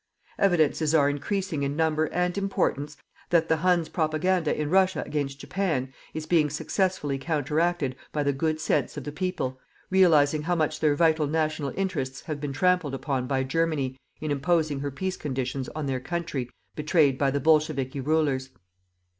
Evidences are increasing in number and importance that the Huns' propaganda in Russia against Japan is being successfully counteracted by the good sense of the people, realizing how much their vital national interests have been trampled upon by Germany in imposing her peace conditions on their country betrayed by the bolchevikis rulers.